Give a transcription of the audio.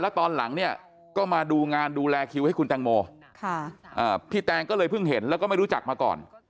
ตอนหลังเนี่ยก็มาดูงานดูแลคิวให้คุณแตงโมพี่แตงก็เลยเพิ่งเห็นแล้วก็ไม่รู้จักมาก่อน